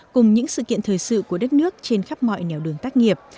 cùng những sự kiện thời sự của đất nước trên khắp mọi nèo đường tác nghiệp